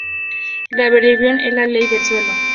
La rebelión es la ley del suelo.